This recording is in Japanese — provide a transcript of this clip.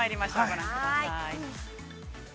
ご覧ください。